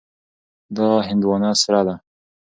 دا هندوانه سره ده.